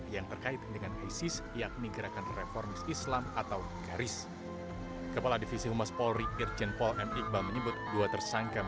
ya baik bang